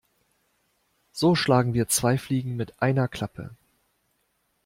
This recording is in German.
So schlagen wir zwei Fliegen mit einer Klappe.